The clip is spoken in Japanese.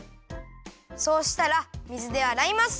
そうしたら水であらいます。